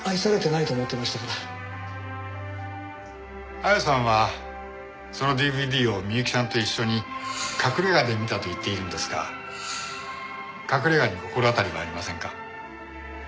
亜矢さんはそのＤＶＤを美雪さんと一緒に隠れ家で見たと言っているのですが隠れ家に心当たりはありませんか？